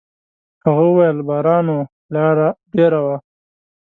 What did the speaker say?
هغه وويل: «باران و، لاره ډېره وه.»